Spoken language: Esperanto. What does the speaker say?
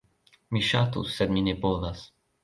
Mi ŝatus, sed mi ne povas.